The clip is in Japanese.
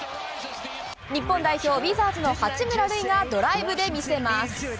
日本代表、ウィザーズの八村塁がドライブで見せます。